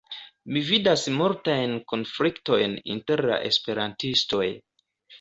Mi vidas multajn konfliktojn inter la esperantistoj.